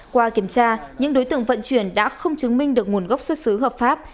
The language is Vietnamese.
qua kiểm tra những đối tượng vận chuyển đã không chứng minh được nguồn gốc xuất xứ hợp pháp